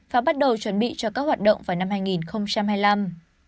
và bắt đầu chuẩn bị cho các hoạt động vào năm hai nghìn hai mươi năm